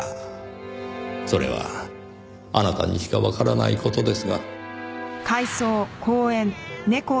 それはあなたにしかわからない事ですが。